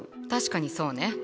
確かにそうね。